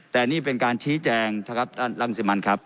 แต่นี่เป็นการชี้แจงนะครับท่านรังสิมันครับ